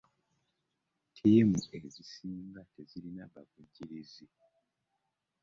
Ttiimu ezisinga tezirina bavugirizi.